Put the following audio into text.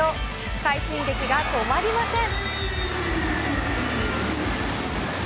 快進撃が止まりません。